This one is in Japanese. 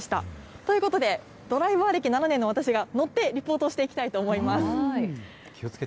ということで、ドライバー歴７年の私が乗って、リポートをしていきたいと思いま気をつけて。